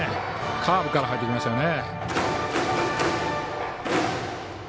カーブから入りましたね。